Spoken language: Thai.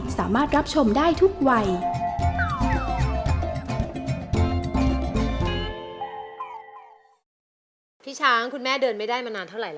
สามารถรับชมได้ทุกวัย